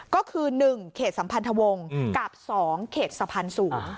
ก็คือ๑เขตสัมพันธวงศ์กับ๒เขตสะพานสูง